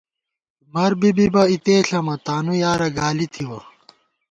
مَر بی بِبہ اِتے ݪَمہ، تانُو یارہ گالی تھِوَہ